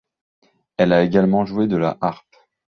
Elle a également joué de la harpe.